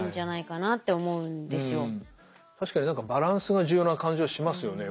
確かに何かバランスが重要な感じはしますよね。